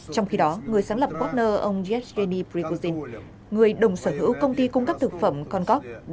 trong khi đó người sáng lập wagner ông yevgeny prigozhin người đồng sở hữu công ty cung cấp thực phẩm concorde